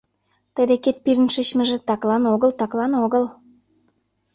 Тый декет пижын шичмыже таклан огыл, таклан огыл!